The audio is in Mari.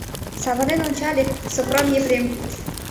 Савырнен ончале - Сопром Епреем.